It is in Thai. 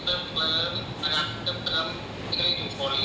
การตัดสินใจชาพระบุรุษสมัครรอบชาหลง